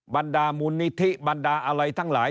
บรรดามูลนิธิบรรดาอะไรทั้งหลาย